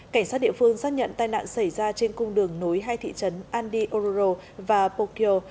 cảnh sát địa phương xác nhận tai nạn xảy ra trên cung đường nối hai thị trấn andi oruro và pokyo